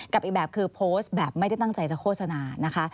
อีกแบบคือโพสต์แบบไม่ได้ตั้งใจจะโฆษณานะคะ